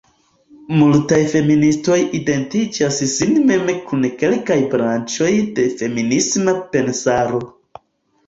Multaj feministoj identigas sin mem kun kelkaj branĉoj de feminisma pensaro.